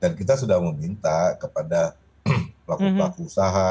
dan kita sudah meminta kepada pelaku pelaku usaha